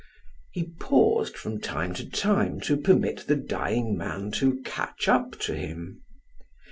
'" He paused from time to time to permit the dying man to catch up to him.